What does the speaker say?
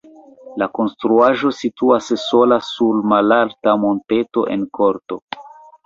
La konstruaĵo situas sola sur malalta monteto en korto.